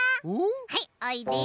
はいおいで。